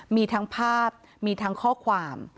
มีทั้งภาพมีทั้งข้อความ